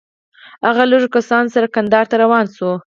هغه له لږو کسانو سره کندهار ته روان شو.